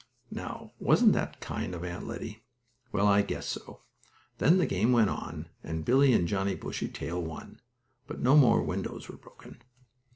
Now, wasn't that kind of Aunt Lettie? Well, I guess so! Then the game went on, and Billie and Johnnie Bushytail won, but no more windows were broken.